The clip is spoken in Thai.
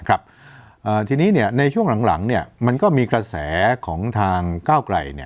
อ่ะทีนี้ในช่วงหลังเนี่ยมันก็มีกระแสของทางเก้าไกรเนี่ย